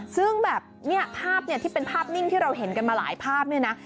ซึ่งแบบเนี่ยภาพเนี่ยที่เป็นภาพนิ่งที่เราเห็นกันมาหลายภาพเนี่ยนะ